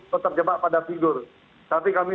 tetap jebak pada figur tapi kami